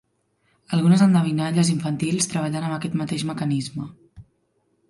Algunes endevinalles infantils treballen amb aquest mateix mecanisme.